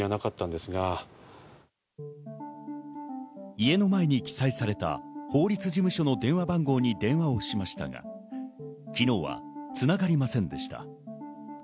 家の前に記載された法律事務所の電話番号に電話をしましたが、昨日は繋がりませんでした。